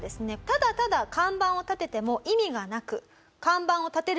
ただただ看板を立てても意味がなく。